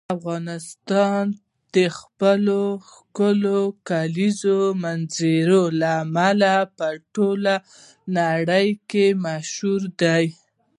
افغانستان د خپلې ښکلې کلیزو منظره له امله په ټوله نړۍ کې مشهور دی.